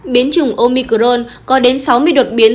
biến chủng omicron có đến sáu mươi đột biến